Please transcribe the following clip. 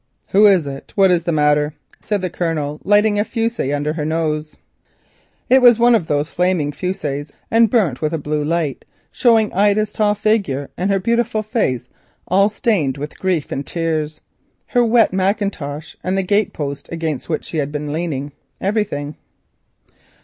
"Who is it? what's the matter?" said the Colonel, lighting a fusee under her eyes. It was one of those flaming fusees, and burnt with a blue light, showing Ida's tall figure and beautiful face, all stained with grief and tears, showing her wet macintosh, and the gate post against which she had been leaning—showing everything.